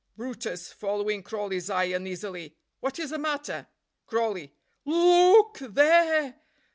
brutus (following Crawley's eye uneasily). "What is the matter?" Crawley. "Lo o o k th e r e!